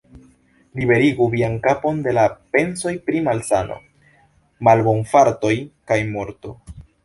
Liberigu vian kapon de la pensoj pri malsano, malbonfartoj kaj morto.